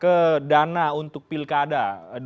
ternyata ada mengarah ke dana untuk pilkada dua ribu dua puluh